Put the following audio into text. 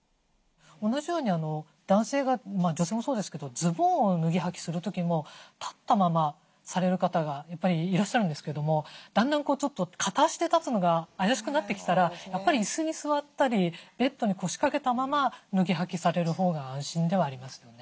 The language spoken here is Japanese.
同じように男性が女性もそうですけどズボンを脱ぎはきする時も立ったままされる方がやっぱりいらっしゃるんですけどもだんだん片足で立つのが怪しくなってきたらやっぱり椅子に座ったりベッドに腰掛けたまま脱ぎはきされるほうが安心ではありますよね。